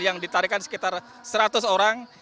yang ditarikan sekitar seratus orang